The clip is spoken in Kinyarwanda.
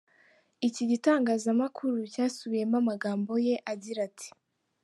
Iki gitangazamakuru cyasubiyemo amagambo ye agira ati:.